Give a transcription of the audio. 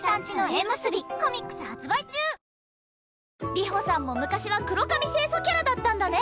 流星さんも昔は黒髪清楚キャラだったんだね。